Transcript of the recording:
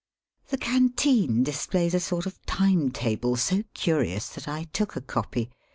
The canteen displays a sort of time table, so curious that I took a copy.